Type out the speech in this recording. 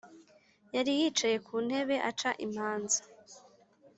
Yari yicaye ku ntebe aca imanza